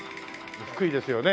福井ですよね。